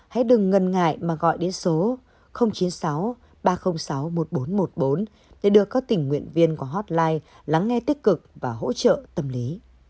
hãy đừng ngần ngại mà gọi đến số chín mươi sáu ba trăm linh sáu một nghìn bốn trăm một mươi bốn để được các tình nguyện viên qua hotline lắng nghe tích cực và hỗ trợ tâm lý